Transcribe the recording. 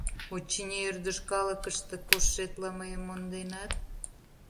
Очыни, ӧрдыж калыкыште коштшетла, мыйым монденат?..